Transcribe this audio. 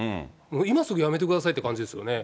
今すぐ辞めてくださいっていう感じですよね。